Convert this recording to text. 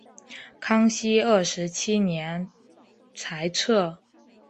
康熙二十七年裁撤。